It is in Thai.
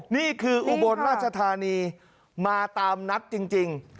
นี่คืออุบลราชธานีมาตามนัดจริง